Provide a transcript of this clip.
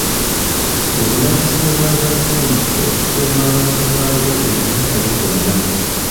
Buvunaanyizibwa bwa gavumenti okukuuma abantu baayo eri akabi konna.